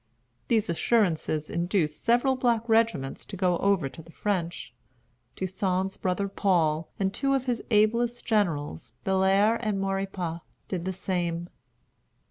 These assurances induced several black regiments to go over to the French. Toussaint's brother Paul, and two of his ablest generals, Bellair and Maurepas, did the same.